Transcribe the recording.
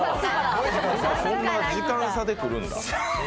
そんな時間差で来るんだ。